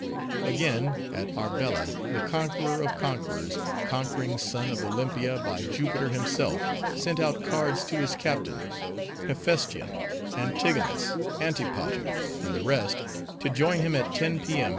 Again: at Arbela, the conqueror of conquerors, conquering son of Olympia by Jupiter himself, sent out cards to his captains,— Hephestion, Antigonus, Antipater, and the rest—to join him at ten, p.m.